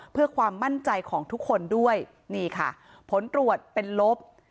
เพื่อความมั่นใจของทุกคนด้วยนี่ค่ะผลตรวจเป็นลบ